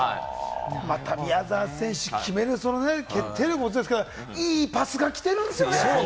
宮澤選手、決める決定力もそうですけれど、いいパスが来てるんですよね。